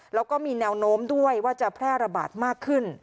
แล้วก็มีแนวโน้มด้วยว่าจะแพร่ระบาดมากขึ้น